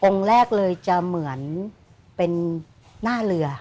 แรกเลยจะเหมือนเป็นหน้าเรือ